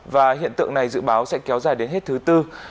và hiện tượng này dự báo sẽ kéo dài đến hết thứ tư